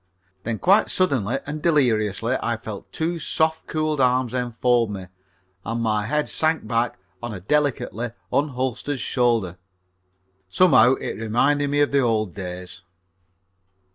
Then quite suddenly and deliriously I felt two soft, cool arms enfold me, and my head sank back on a delicately unholstered shoulder. Somehow it reminded me of the old days.